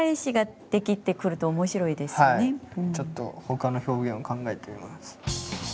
ちょっとほかの表現を考えてみます。